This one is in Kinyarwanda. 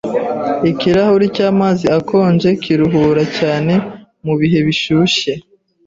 Ikirahuri cyamazi akonje kiruhura cyane mubihe bishyushye.